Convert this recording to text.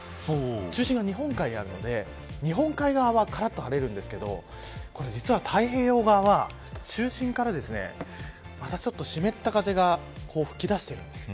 中心が日本海にあるので日本海側はからっと晴れるんですけど実は太平洋側は中心からまたちょっと湿った風が吹き出しているんです。